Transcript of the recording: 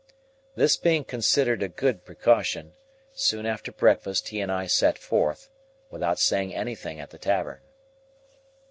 This being considered a good precaution, soon after breakfast he and I set forth, without saying anything at the tavern.